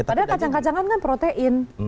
padahal kacang kacangan kan protein